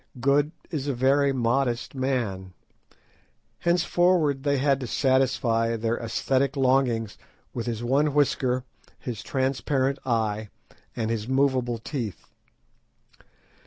Good is a very modest man. Henceforward they had to satisfy their æsthetic longings with his one whisker, his transparent eye, and his movable teeth.